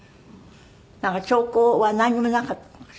なんか兆候はなんにもなかったのかしら？